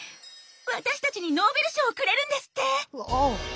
私たちにノーベル賞をくれるんですって！